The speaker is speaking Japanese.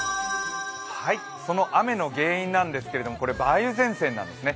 その雨の原因なんですけれども梅雨前線なんですね。